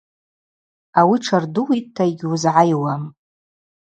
Ауи тшардууитӏта йгьуызгӏайуам.